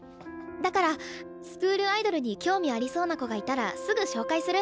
だからスクールアイドルに興味ありそうな子がいたらすぐ紹介する。